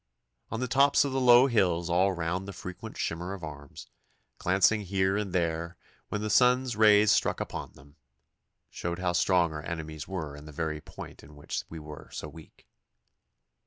On the tops of the low hills all round the frequent shimmer of arms, glancing here and there when the sun's rays struck upon them, showed how strong our enemies were in the very point in which we were so weak.